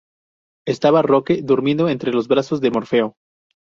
Estaba roque, durmiendo entre los brazos de Morfeo